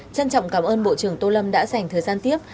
trân trọng cảm ơn bộ trưởng tô lâm đã dành thời gian tiếp